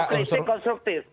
kalau kritik konstruktif